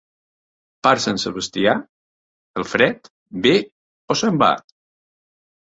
Per Sant Sebastià el fred ve o se'n va.